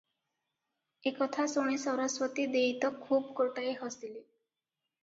ଏ କଥା ଶୁଣି ସରସ୍ୱତୀ ଦେଈ ତ ଖୁବ୍ ଗୋଟାଏ ହସିଲେ ।